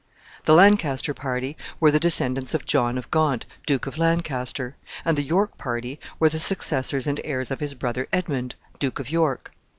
The Lancaster party were the descendants of John of Gaunt, Duke of Lancaster, and the York party were the successors and heirs of his brother Edmund, Duke of York.